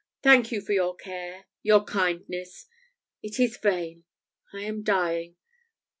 Thank you for your care your kindness. It is vain I am dying!